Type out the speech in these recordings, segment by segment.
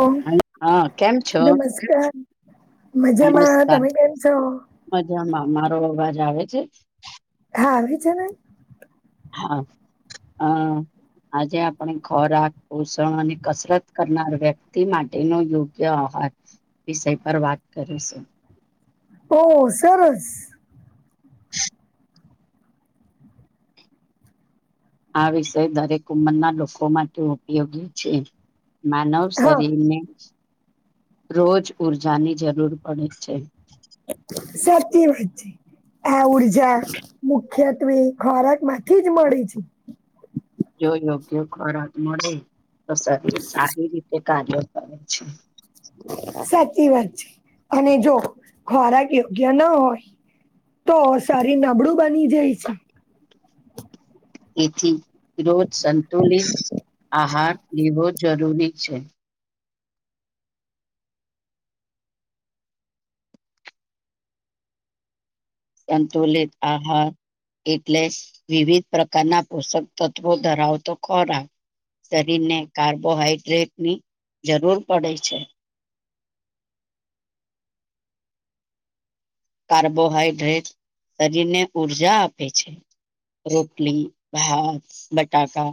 ઓ હ હા કેમ છો. નમસ્કાર મજામાં નમસ્કાર તમે કેમ છો મજામાં મારો અવાજ આવે છે. હા ભીજ ન. હા હા. આજે આપણે ખોરાક પોષણ અને કસરત કરનાર વ્યક્તિ માટે ન યોગ્ય વિષય પર વાત કરીશું. ઓ સરસ. આ વિષય દરેક ઉંમરના લોકો માટે ઉપયોગી છે. માનવ હા શરીર ને રોજ ઉર્જાની જરૂર પડે છે. સાચી વાચી આ ઉર્જા મુખ્યત્વે ખોરાક માંથી જ મળે છે. જો યોગ્ય ખોરાક મળે તો શરીર સારી રીતે કાર્યો સા છેું સાચી વાત છે અને જો ખોરાક યોગ્ય ના હોય તો સારી નબળું બની જાય છે. તેથી રોજ સંતુલિત આહાર લેવો જરૂરી છે. સંતુલિત આહાર. એટલે વિવિધ પ્રકારના પોષક તત્ત્વો ધરાવતો ખોરાક. શરીરને કાર્બોહાઈડ્રેટની જરૂર પડે છે કાર્બોહાઈડ્રેટ શરીરને ઊર્જા આપે છે રોટલી, ભાત, બટાકા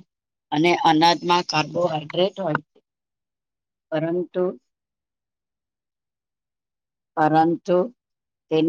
અને અનાજમાં કાર્બોહાઈડ્રેટ હોય પરંતુ પરંતુ તેની